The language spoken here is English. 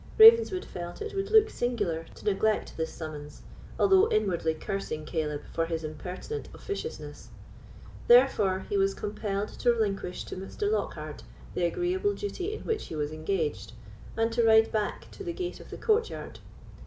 Ravenswood felt it would look singular to neglect this summons, although inwardly cursing Caleb for his impertinent officiousness; therefore he was compelled to relinquish to Mr. Lockhard the agreeable duty in which he was engaged, and to ride back to the gate of the courtyard.